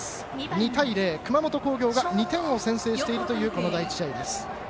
２対０、熊本工業が２点を先制しているというこの第１試合です。